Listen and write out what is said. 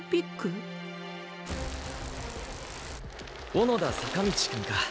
小野田坂道くんか。